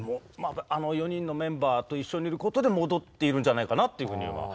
あの４人のメンバーと一緒にいることで戻っているんじゃないかなっていうふうには。